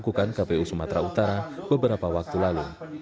proses verifikasi yang dilakukan kpu sumatera utara beberapa waktu lalu